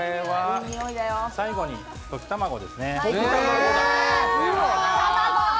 最後に溶き卵ですね。